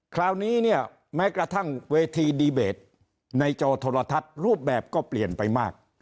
คราวนี้เนี่ยแม้กระทั่งเวทีดีเบตในจอโทรทัศน์รูปแบบก็เปลี่ยนไปมาก